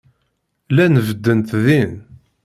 Llant beddent din.